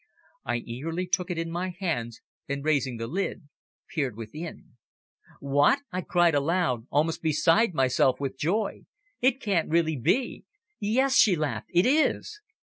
I eagerly took it in my hands and raising the lid, peered within. "What!" I cried aloud, almost beside myself with joy. "It can't really be?" "Yes," she laughed. "It is."